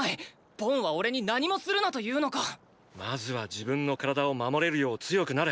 ボンはおれに何もするなと言うのか⁉まずは自分の体を守れるよう強くなれ。